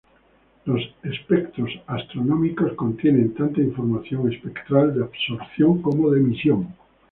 Los espectros astronómicos contienen tanto información espectral de absorción como de emisión.